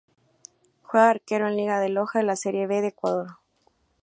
Juega de arquero en Liga de Loja de la Serie B de Ecuador.